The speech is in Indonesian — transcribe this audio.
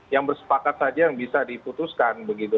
yang bersepakat saja yang bisa diputuskan begitu